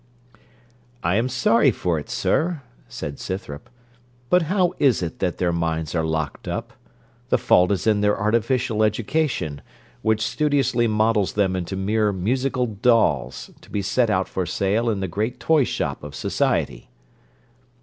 'I am sorry for it, sir,' said Scythrop. 'But how is it that their minds are locked up? The fault is in their artificial education, which studiously models them into mere musical dolls, to be set out for sale in the great toy shop of society.'